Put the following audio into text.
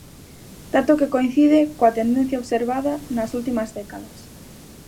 Dato que coincide coa tendencia observada nas últimas décadas.